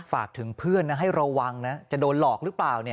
ฝากถึงเพื่อนนะให้ระวังนะจะโดนหลอกหรือเปล่า